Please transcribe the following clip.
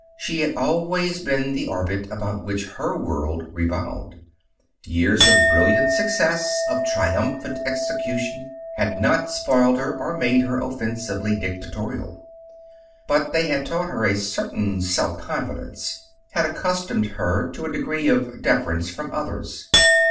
She had always been the orbit about which her world revolved. Years of brilliant success, of triumphant execution, had not spoiled her, or made her offensively dictatorial. But they had taught her a certain self confidence; had accustomed her to a degree of deference from others.